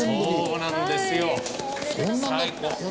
そうなんですよね。